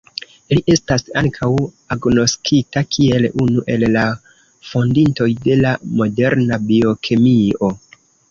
Li estas ankaŭ agnoskita kiel unu el la fondintoj de la moderna biokemio.